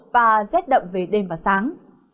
và rét đậm về đêm và sáng